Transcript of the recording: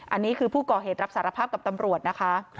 อันนี้คือผู้ก่อเหตุรับสารภาพกับตำรวจนะคะ